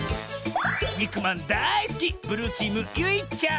にくまんだいすきブルーチームゆいちゃん。